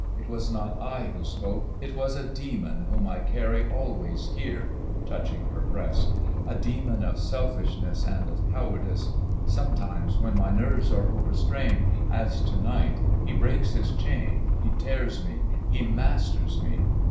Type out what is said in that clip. It was not I who spoke ; it was a demon whom I carry always here, touching her breast, a demon MAPBMOISELLX IXB. 1 75 of selfishness and of cowardice. Sometimes, when my nerves are overstrained as to night, he breaks his chain, he tears me, he masters me.